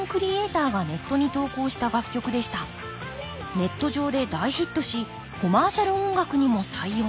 ネット上で大ヒットしコマーシャル音楽にも採用。